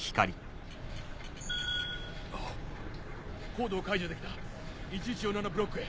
コードを解除できた１１４７ブロックへ。